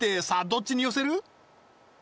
どっちに寄せる？